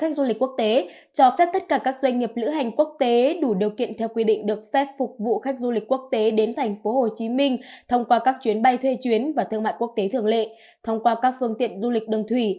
các du lịch quốc tế cho phép tất cả các doanh nghiệp lữ hành quốc tế đủ điều kiện theo quy định được phép phục vụ khách du lịch quốc tế đến tp hcm thông qua các chuyến bay thuê chuyến và thương mại quốc tế thường lệ thông qua các phương tiện du lịch đường thủy